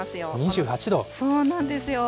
そうなんですよ。